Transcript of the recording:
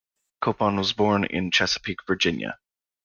Copon was born in Chesapeake, Virginia.